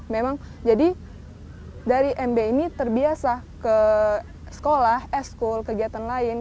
memang jadi dari mb ini terbiasa ke sekolah es school kegiatan lain